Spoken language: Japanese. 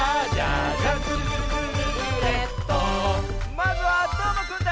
まずはどーもくんだ！